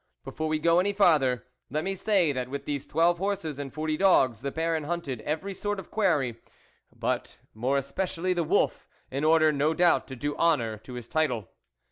' Before we go any farther, let me say that with these twelve horses and forty dogs the Baron hunted every sort of quarry, but more especially the wolf, in order no doubt to do honour to his title.